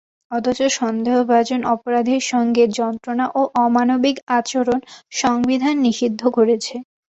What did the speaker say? অথচ সন্দেহভাজন অপরাধীর সঙ্গে যন্ত্রণা ও অমানবিক আচরণ সংবিধান নিষিদ্ধ করেছে।